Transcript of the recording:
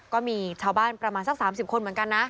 ก็มีชาวบ้านประมาณสัก๓๐คนเหมือนกันนะ